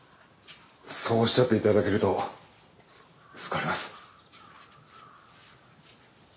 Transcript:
そうおっしゃって頂けると救われます。